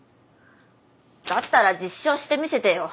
だったら実証してみせてよ。